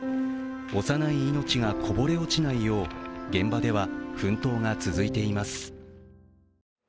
幼い命がこぼれ落ちないよう現場では奮闘が続いています。